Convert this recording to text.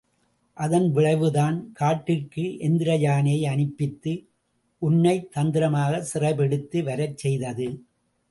அதன் விளைவுதான் காட்டிற்கு எந்திரயானையை அனுப்பித்து உன்னைத் தந்திரமாகச் சிறைப்பிடித்து வரச் செய்தது.